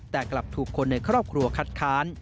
แต่กลับถูกคนในครอบครัวคัดค้าน